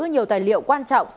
nhiều tài liệu quan trọng